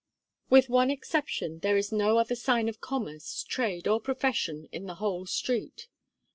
With one exception, there is no other sign of commerce, trade, or profession in the whole street.